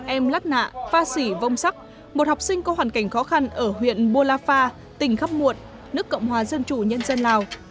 em lát nạ pha sỉ vông sắc một học sinh có hoàn cảnh khó khăn ở huyện bô la pha tỉnh khắp muộn nước cộng hòa dân chủ nhân dân lào